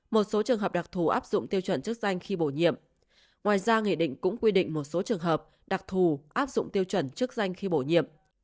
một số trường hợp đặc thù áp dụng tiêu chuẩn chức danh khi bổ nhiệm ngoài ra nghị định cũng quy định một số trường hợp đặc thù áp dụng tiêu chuẩn chức danh khi bổ nhiệm